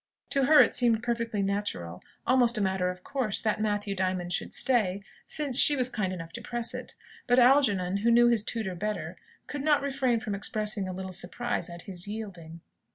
To her it seemed perfectly natural almost a matter of course that Matthew Diamond should stay, since she was kind enough to press it. But Algernon, who knew his tutor better, could not refrain from expressing a little surprise at his yielding.